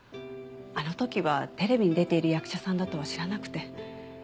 あの時はテレビに出ている役者さんだとは知らなくて。